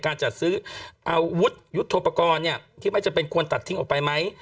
การจัดซื้ออาวุธยุทธโปรกรณ์ที่ไม่จำเป็นควรตัดทิ้งออกไปไหม